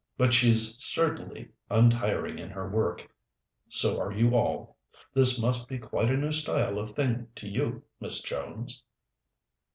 But she's certainly untiring in her work; so are you all. This must be quite a new style of thing to you, Miss Jones?"